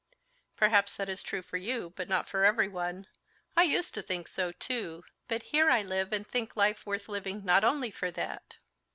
"Perhaps that is true for you, but not for everyone. I used to think so too, but here I live and think life worth living not only for that."